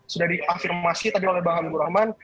sudah diafirmasi tadi oleh bang habibur rahman